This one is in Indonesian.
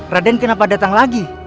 raden kenapa datang lagi